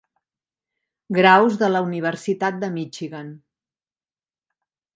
graus de la Universitat de Michigan.